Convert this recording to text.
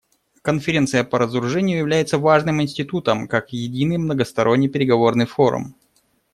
Конференция по разоружению является важным институтом как единый многосторонний переговорный форум.